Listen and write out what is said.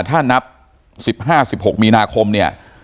ถ้านับ๑๕๑๖มีนาคมเนี่ย